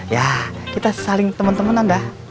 ya kita saling temen temenan dah